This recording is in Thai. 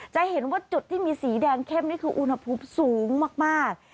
จะเห็นว่าจุดที่มีสีแดงเข้มนี่คืออุณหภูมิสูงมาก